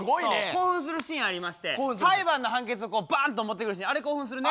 興奮するシーンありまして裁判の判決をバーンと持ってくるシーンあれ興奮するね。